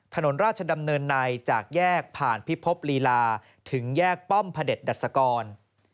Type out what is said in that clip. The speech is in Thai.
ถนนราชดำเนินในจากแยกผ่านพิภพลีลาถึงแยกป้อมพระเด็จดัชกร